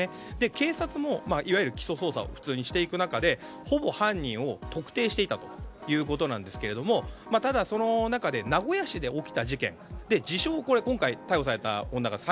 警察もいわゆる基礎捜査を普通にしていく中でほぼ犯人を特定していたということなんですがただ、その中で名古屋市で起きた事件で逮捕された女は自称